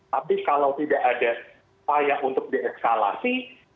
tapi kalau tidak ada saya untuk dieksalasi